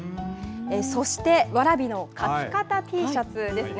そして蕨の書き方Ｔシャツですね。